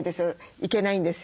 いけないんですよ